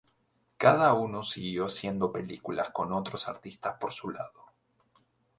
Cada uno siguió haciendo películas con otros artistas por su lado.